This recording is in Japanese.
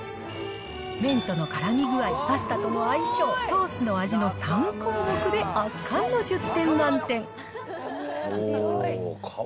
麺とのからみ具合、パスタとの相性、ソースの味の３項目で圧巻の１０点満点。